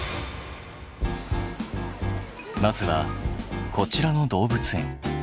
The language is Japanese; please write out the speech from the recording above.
まずはこちらの動物園。